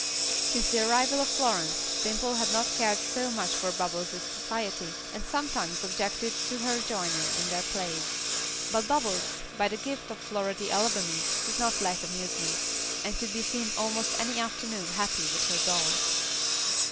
Since the arrival of Florence, Dimple had not cared so much for Bubbles' society, and sometimes objected to her joining in their plays; but Bubbles, by the gift of Floridy Alabamy, did not lack amusement, and could be seen almost any afternoon happy with her doll.